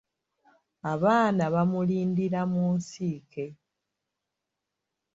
Abaana baamulindira mu Nsiike.